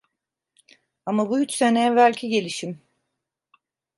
Ama bu üç sene evvelki gelişim.